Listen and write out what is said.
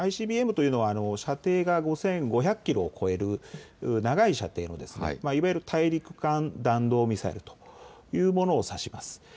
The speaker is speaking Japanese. ＩＣＢＭというのは射程が５５００キロを超える長い射程のいわゆる大陸間弾道ミサイルというものを指します。